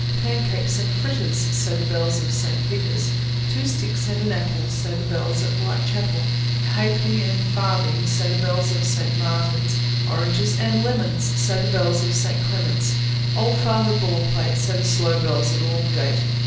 Pancakes and fritters, Say the bells of St. Peter's. Two sticks and an apple, Say the bells at Whitechapel. Halfpence and farthings, Say the bells of St. Martin's. Oranges and Lemons, Say the bells of St. Clement's. Old Father Baldpate, Say the slow bells at Aldgate.